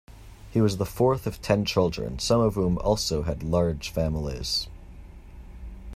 He was the fourth of ten children, some of whom also had large families.